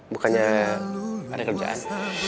bukannya ada kerjaan